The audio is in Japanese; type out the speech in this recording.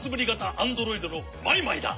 アンドロイドのマイマイだ。